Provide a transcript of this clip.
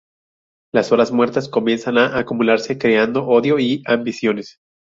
Las horas muertas comienzan a acumularse creando odio y ambiciones.